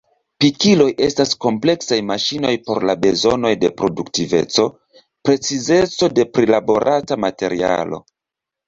Pikiloj estas kompleksaj maŝinoj por la bezonoj de produktiveco, precizeco de prilaborata materialo.